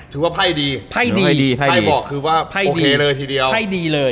ถือว่าไพ่ดีไพ่บอกคือว่าโอเคเลยทีเดียวไพ่ดีเลย